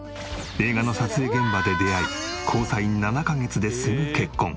映画の撮影現場で出会い交際７カ月ですぐ結婚。